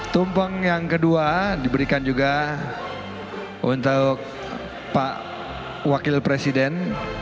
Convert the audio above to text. tumpeng yang kedua diberikan juga untuk pak wakil presiden